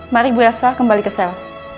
mari ibu yalsa kembali ke sel